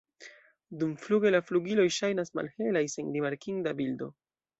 Dumfluge la flugiloj ŝajnas malhelaj, sen rimarkinda bildo.